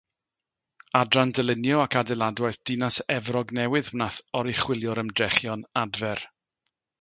Adran Dylunio ac Adeiladwaith Dinas Efrog Newydd wnaeth oruchwylio'r ymdrechion adfer.